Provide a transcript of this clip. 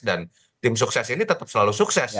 dan tim sukses ini tetap selalu sukses